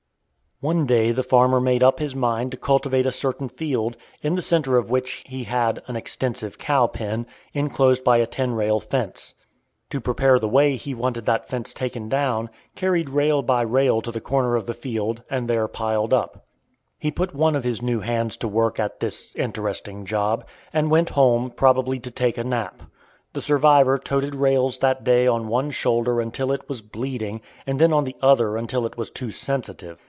One day the farmer made up his mind to cultivate a certain field, in the centre of which he had an extensive cow pen, inclosed by a ten rail fence. To prepare the way he wanted that fence taken down, carried rail by rail to the corner of the field, and there piled up. He put one of his new hands to work at this interesting job, and went home, probably to take a nap. The survivor toted rails that day on one shoulder until it was bleeding, and then on the other until that was too sensitive.